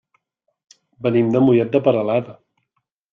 Venim de Mollet de Peralada.